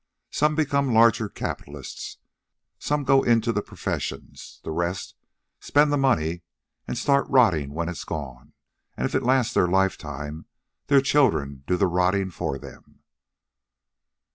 Some become larger capitalists; some go into the professions; the rest spend the money and start rotting when it's gone, and if it lasts their life time their children do the rotting for them."